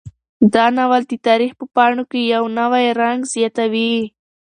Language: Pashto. دا ناول د تاریخ په پاڼو کې یو نوی رنګ زیاتوي.